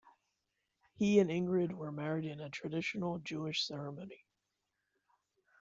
He and Ingrid were married in a traditional Jewish ceremony.